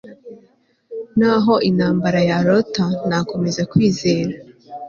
n'aho intambara yarota, nakomeza kwizera